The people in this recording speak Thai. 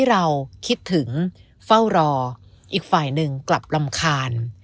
เราคิดถึงเฝ้ารออีกฝ่ายหนึ่งกลับรำคาญ